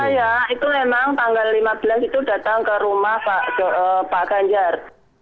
saya itu memang tanggal lima belas itu datang ke rumah pak ganjar